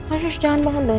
asus jangan bangun